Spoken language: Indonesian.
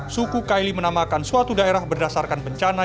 suku kaili menamakan suatu daerah berdasarkan bencana